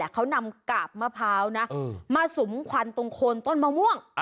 เขานำกาบมะพร้าวนะมาสุมควันตรงโคนต้นมะม่วง